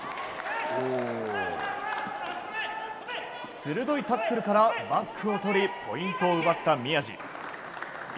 鋭いタックルからバックを取りポイントを奪った宮道。